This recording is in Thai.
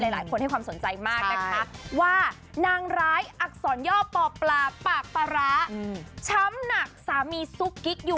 หลายคนให้ความสนใจมากนะคะว่านางร้ายอักษรย่อปอปลาปากปลาร้าช้ำหนักสามีซุกกิ๊กอยู่